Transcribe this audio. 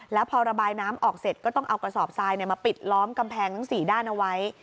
แล้วพอระบายน้ำออกเสร็จก็ต้องเอากระสอบทรายมาปิดล้อมกำแพงทั้ง๔ด้านเอาไว้